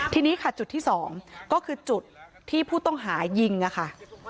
ทีนี้ค่ะจุดที่๒ก็คือจุดที่ผู้ต้องหายิงค่ะ